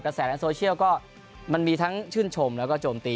แสในโซเชียลก็มันมีทั้งชื่นชมแล้วก็โจมตี